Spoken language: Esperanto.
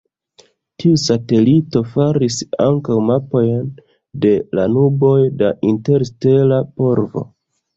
Tiu satelito faris ankaŭ mapojn de la nuboj da interstela polvo.